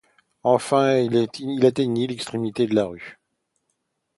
Enfin, il atteignit l’extrémité de la rue.